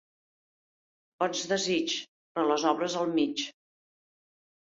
Bons desigs, però les obres al mig.